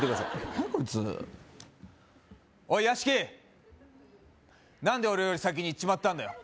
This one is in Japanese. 何やこいつおい屋敷何で俺より先に逝っちまったんだよ